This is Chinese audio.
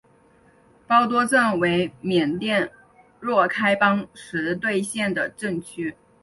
包多镇为缅甸若开邦实兑县的镇区。